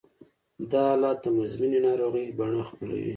دا حالت د مزمنې ناروغۍ بڼه خپلوي